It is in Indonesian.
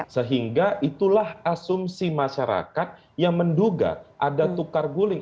sehingga itulah asumsi masyarakat yang menduga ada tukar guling